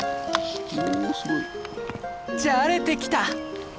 じゃれてきた！